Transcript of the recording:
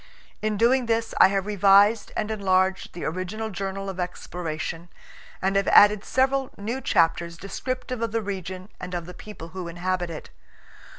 In doing this I have revised and enlarged the original journal of exploration, and have added several new chapters descriptive of the region and of the people who inhabit it.